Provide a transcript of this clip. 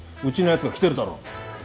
うちの奴が来てるだろ？